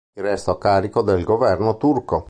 Il resto a carico del governo turco.